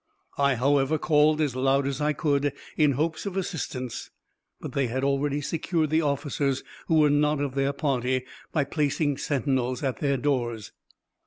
I, however, called as loud as I could, in hopes of assistance; but they had already secured the officers who were not of their party, by placing sentinels at their doors.